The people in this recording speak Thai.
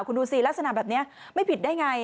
คุณดูสิลักษณะแบบนี้ไม่ผิดได้ไง